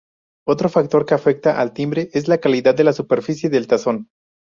Otro factor que afecta al timbre es la calidad de la superficie del tazón.